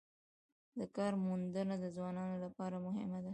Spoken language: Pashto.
د کار موندنه د ځوانانو لپاره مهمه ده